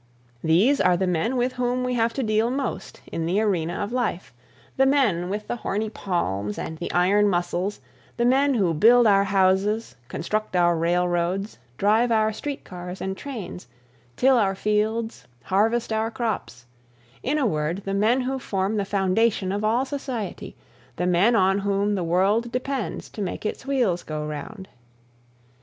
These are the men with whom we have to deal most in the arena of life, the men with the horny palms and the iron muscles, the men who build our houses, construct our railroads, drive our street cars and trains, till our fields, harvest our crops in a word, the men who form the foundation of all society, the men on whom the world depends to make its wheels go round.